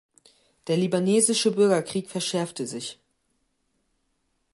Der libanesische Bürgerkrieg verschärfte sich.